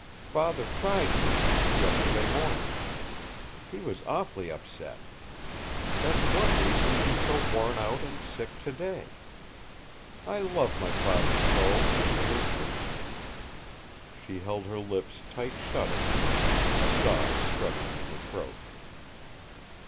Father tried to, yesterday morning. He was awfully upset. That's one reason he's so worn out and sick today. I love my father so, Mr. Hastings!" She held her lips tight shut a moment, a sob struggling in her throat.